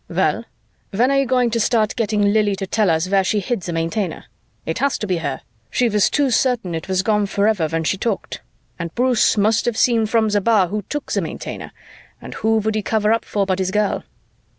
"Well, when are you going to start getting Lili to tell us where she hid the Maintainer? It has to be her she was too certain it was gone forever when she talked. And Bruce must have seen from the bar who took the Maintainer, and who would he cover up for but his girl?"